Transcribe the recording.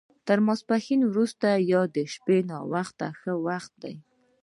تر ماسپښین وروسته یا د شپې ناوخته ښه وخت دی.